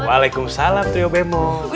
waalaikumsalam trio bemo